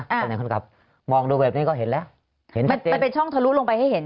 ตำแหน่งคนขับมองดูแบบนี้ก็เห็นแล้วเห็นมันเป็นช่องทะลุลงไปให้เห็น